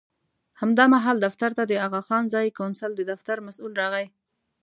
همدا مهال دفتر ته د اغاخان ځایي کونسل د دفتر مسوول راغی.